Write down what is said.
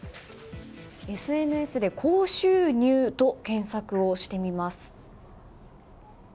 ＳＮＳで高収入と検索してみます。